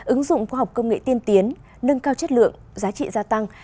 ứng dụng khoa học công nghệ tiên tiến nâng cao chất lượng giá trị gia tăng